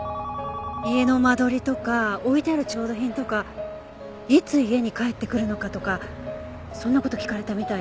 家の間取りとか置いてある調度品とかいつ家に帰ってくるのかとかそんな事聞かれたみたいで。